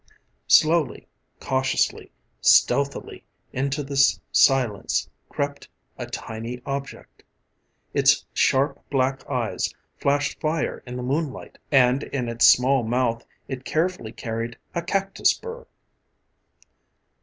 Slowly, cautiously, stealthily into this silence crept a tiny object. Its sharp, black eyes flashed fire in the moonlight and in its small mouth it carefully carried a cactus burr.